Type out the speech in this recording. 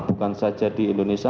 bukan saja di indonesia